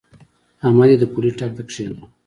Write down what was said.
احمد يې د پولۍ ټک ته کېناوو.